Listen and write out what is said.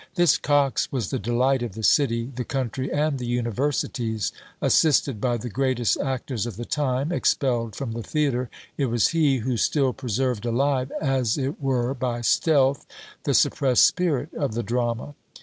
This Cox was the delight of the city, the country, and the universities: assisted by the greatest actors of the time, expelled from the theatre, it was he who still preserved alive, as it were by stealth, the suppressed spirit of the drama.